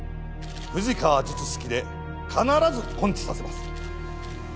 富士川術式で必ず根治させます。